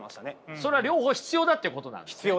それは両方必要だっていうことなんですね？